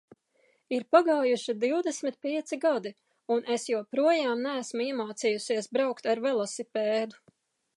Ir pagājuši divdesmit pieci gadi, un es joprojām neesmu iemācījusies braukt ar velosipēdu.